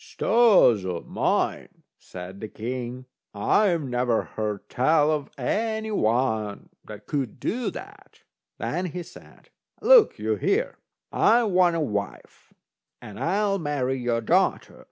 "Stars o' mine!" said the king, "I never heard tell of any one that could do that." Then he said: "Look you here, I want a wife, and I'll marry your daughter.